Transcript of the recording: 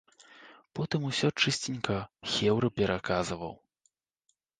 Потым усё чысценька хэўры пераказваў.